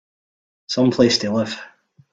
Some place to live!